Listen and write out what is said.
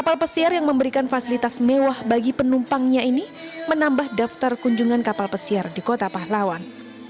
kapal pesiar yang memberikan fasilitas mewah bagi penumpangnya ini menambah daftar kunjungan kapal pesiar di kota pahlawan